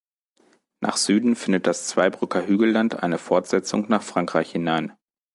Nach Süden findet das Zweibrücker Hügelland eine Fortsetzung nach Frankreich hinein.